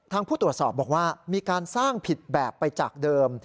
ผู้ตรวจสอบบอกว่ามีการสร้างผิดแบบไปจากเดิม